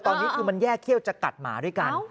ตอนนี้คือมันแยกเขี้ยวจะกัดหมาด้วยกัน